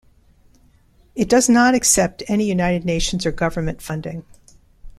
It does not accept any United Nations or government funding.